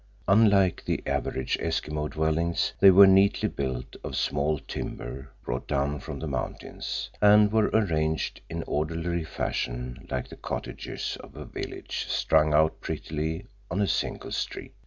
Unlike the average Eskimo dwellings they were neatly built of small timber brought down from the mountains, and were arranged in orderly fashion like the cottages of a village, strung out prettily on a single street.